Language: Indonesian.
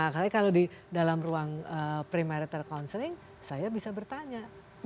kalau di dalam ruang pre marital counseling saya bisa bertanya